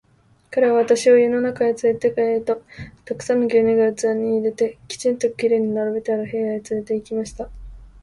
彼は私を家の中へつれて帰ると、たくさんの牛乳が器に入れて、きちんと綺麗に並べてある部屋へつれて行きました。